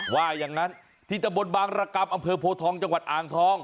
ว่าอย่างนั้นที่ตะบนบางรกรรมอำเภอโพทองจังหวัดอ่างทอง